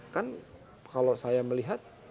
kan kalau saya melihat